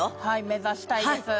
目指したいです。